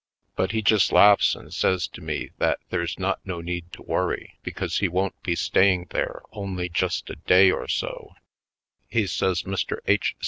But he just laughs and say to me that there's not no need to worry, because he won't be staying there only just a day oi; Manhattan Isle 49 so. He says Mr. H.